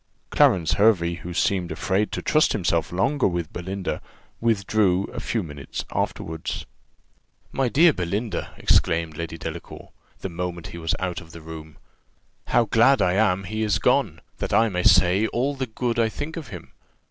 Clarence Hervey, who seemed afraid to trust himself longer with Belinda, withdrew a few minutes afterward. "My dear Belinda," exclaimed Lady Delacour, the moment that he was out of the room, "how glad I am he is gone, that I may say all the good I think of him!